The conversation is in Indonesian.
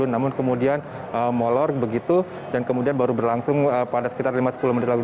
namun kemudian molor begitu dan kemudian baru berlangsung pada sekitar lima sepuluh menit lalu